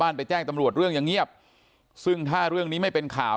ไปแจ้งตำรวจเรื่องยังเงียบซึ่งถ้าเรื่องนี้ไม่เป็นข่าว